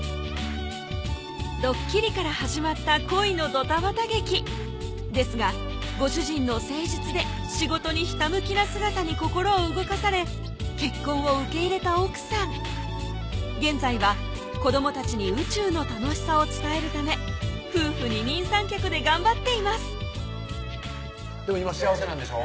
ドッキリから始まった恋のドタバタ劇ですがご主人の誠実で仕事にひたむきな姿に心を動かされ結婚を受け入れた奥さん現在は子ども達に宇宙の楽しさを伝えるため夫婦二人三脚で頑張っていますでも今幸せなんでしょ？